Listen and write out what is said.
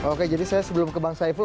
oke jadi saya sebelum ke bang saiful